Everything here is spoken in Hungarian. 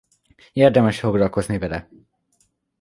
Érdemes foglalkozni vele.